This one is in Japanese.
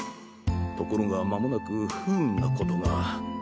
ところが間もなく不運なことが。